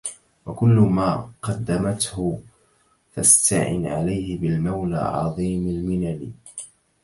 وكل ماقدمته فاسْتَعِنِ عليه بالمولى عظيم المنن